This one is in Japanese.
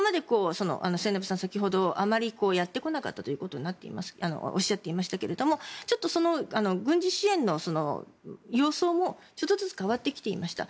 末延さん、先ほど今まであまりやってこなかったということをおっしゃっていましたが軍事支援の様相もちょっとずつ変わってきていました。